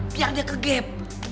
biar dia ke gap